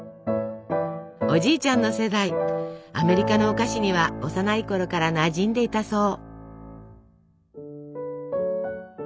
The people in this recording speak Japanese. おじいちゃんの世代アメリカのお菓子には幼いころからなじんでいたそう。